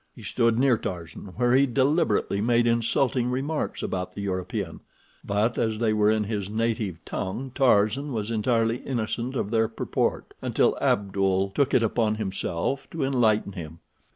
He stood near Tarzan, where he deliberately made insulting remarks about the European, but as they were in his native tongue Tarzan was entirely innocent of their purport until Abdul took it upon himself to enlighten him.